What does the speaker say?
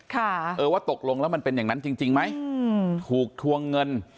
ค่ะเออว่าตกลงแล้วมันเป็นอย่างนั้นจริงจริงไหมอืมถูกทวงเงิน